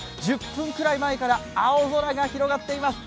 １０分ぐらい前から青空が広がっています。